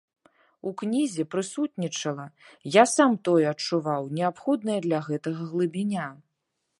У кнізе прысутнічала, я сам тое адчуваў, неабходная для гэтага глыбіня.